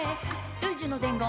「ルージュの伝言」